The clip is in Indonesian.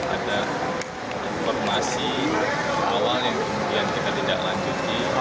ada informasi awal yang kemudian kita tidak lanjuti